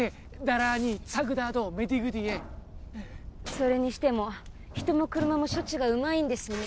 それにしても人も車も処置がうまいんですね